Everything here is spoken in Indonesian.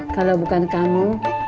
kalo bukan kamu